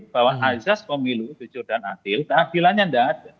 bahwa asas pemilu jujur dan adil keadilannya tidak ada